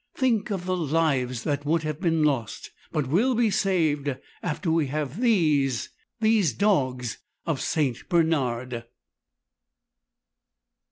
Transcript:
Think of the lives that would have been lost but will be saved after we have these "These dogs of St. Bernard."